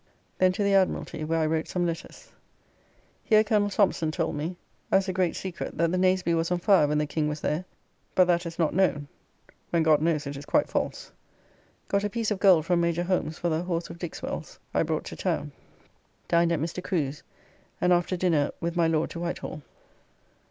Then to the Admiralty, where I wrote same letters. Here Coll. Thompson told me, as a great secret; that the Nazeby was on fire when the King was there, but that is not known; when God knows it is quite false. Got a piece of gold from Major Holmes for the horse of Dixwell's I brought to town. Dined at Mr. Crew's, and after dinner with my Lord to Whitehall.